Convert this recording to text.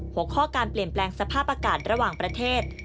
หัวข้อการเปลี่ยนแปลงสภาพอากาศระหว่างประเทศ